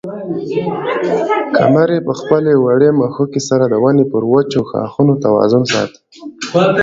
قمرۍ په خپلې وړې مښوکې سره د ونې پر وچو ښاخونو توازن ساته.